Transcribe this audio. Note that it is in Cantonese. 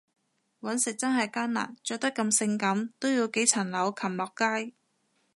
搵食真係艱難，着得咁性感都要幾層樓擒落街